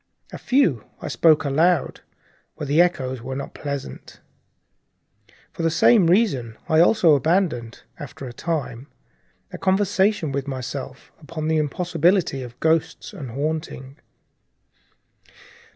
A few I spoke aloud, but the echoes were not pleasant. For the same reason I also abandoned, after a time, a conversation with myself upon the impossibility of ghosts and haunting.